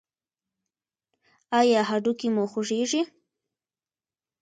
ایا هډوکي مو خوږیږي؟